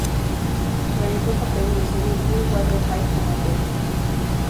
Realizó un papel en la serie "Blue Water High" como 'Bec'.